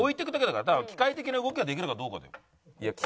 だから機械的な動きができるかどうかだよ。